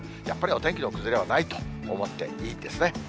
やっぱりお天気の崩れはないと思っていいですね。